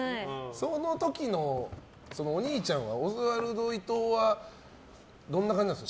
その時のお兄ちゃんはオズワルド伊藤はどんな感じなんですか？